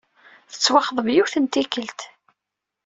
Tettwaxḍeb yiwet n tikkelt.